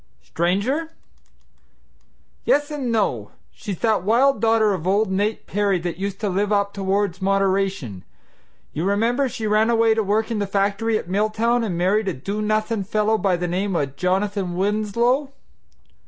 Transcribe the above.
"Stranger?' "Yes, and no; she's that wild daughter of old Nate Perry that used to live up towards Moderation. You remember she ran away to work in the factory at Milltown and married a do nothin' fellow by the name o' John Winslow?"